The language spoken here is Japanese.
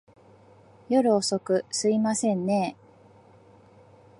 夜遅く、すいませんねぇ。